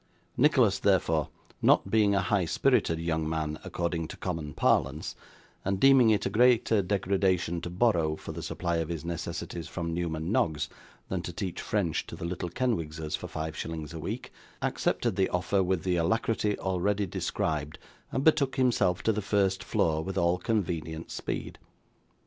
Nicholas, therefore, not being a high spirited young man according to common parlance, and deeming it a greater degradation to borrow, for the supply of his necessities, from Newman Noggs, than to teach French to the little Kenwigses for five shillings a week, accepted the offer with the alacrity already described, and betook himself to the first floor with all convenient speed.